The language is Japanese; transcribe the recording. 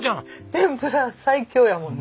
天ぷら最強やもんな。